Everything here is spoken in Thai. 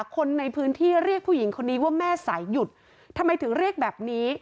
คนในพื้นที่เรียกผู้หญิงคนนี้ว่าแม่สายหยุดทำไมถึงเรียกแบบนี้